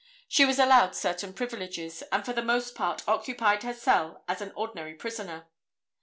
She was allowed certain privileges, and for the most part occupied her cell as an ordinary prisoner.